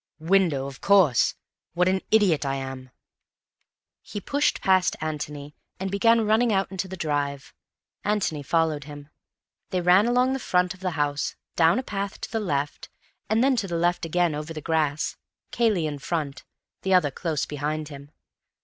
"Window—of course! What an idiot I am." He pushed past Antony, and began running out into the drive. Antony followed him. They ran along the front of the house, down a path to the left, and then to the left again over the grass, Cayley in front, the other close behind him.